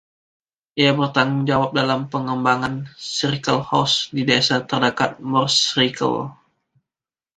Ia bertanggungjawab dalam pengembangan Crichel House di desa terdekat Moor Crichel.